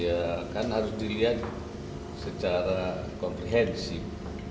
ya kan harus dilihat secara komprehensif